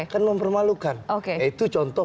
kan mempermalukan itu contoh